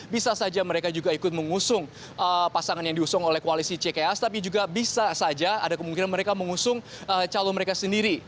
bisa saja mereka juga ikut mengusung pasangan yang diusung oleh koalisi cks tapi juga bisa saja ada kemungkinan mereka mengusung calon mereka sendiri